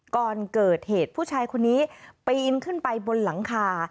ก่อนเกิดเหตุผู้ชายคนนี้ปีนขึ้นไปบนหลังคา